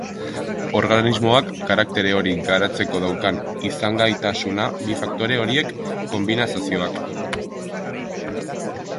Organismoak karaktere hori garatzeko daukan izangaitasuna bi faktore horien konbinazioak zehaztuko du.